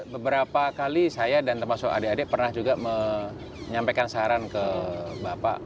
beberapa kali saya dan termasuk adik adik pernah juga menyampaikan saran ke bapak